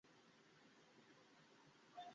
কীইবা করার ছিল বলুন?